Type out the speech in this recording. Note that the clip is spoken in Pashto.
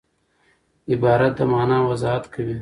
عبارت د مانا وضاحت کوي.